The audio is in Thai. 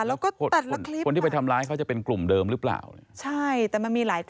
เหนียงไว้ด้านรจาก